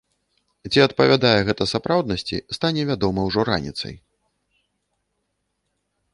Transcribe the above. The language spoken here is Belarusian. Ці адпавядае гэта сапраўднасці, стане вядома ўжо раніцай.